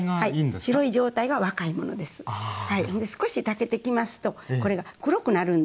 少したけてきますとこれが黒くなるんですね。